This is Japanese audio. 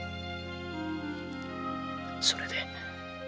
それで。